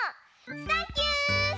サンキュー！